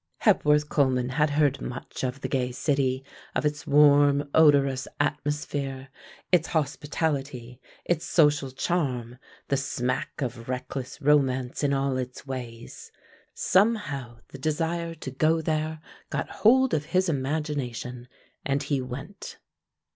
Hepworth Coleman had heard much of the gay city, of its warm, odorous atmosphere, its hospitality, its social charm, the smack of reckless romance in all its ways. Somehow the desire to go there got hold of his imagination and he went.